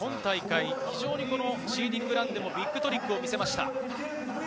シーディングランでもビッグトリックを見せました。